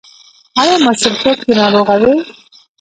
ایا ماشومتوب کې ناروغه وئ؟